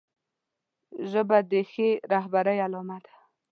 ژبه د ښې رهبرۍ علامه ده